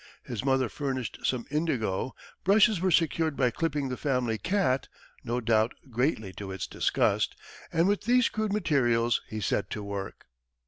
His mother furnished some indigo, brushes were secured by clipping the family cat no doubt greatly to its disgust and with these crude materials he set to work.